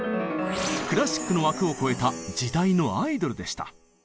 クラシックの枠を超えた時代のアイドルでした。